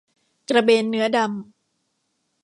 กระเบนเนื้อดำ